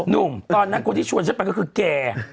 หนุ่มตอนนั้นคนที่ชวนฉันไปก็คือแก